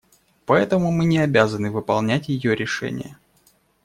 Поэтому мы не обязаны выполнять ее решения.